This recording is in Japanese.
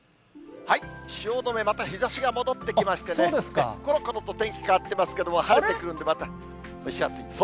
汐留、また日ざしが戻ってきましてね、ころころと天気変わってますけども、晴れてくるとまた、蒸し暑い。